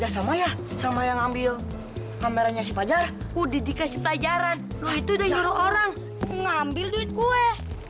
sama yang ambil kameranya si pajar udah dikasih pelajaran itu udah nyuruh orang ngambil duit gue